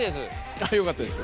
あっよかったです。